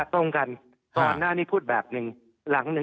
ตอนหน้านี้พูดแบบนึง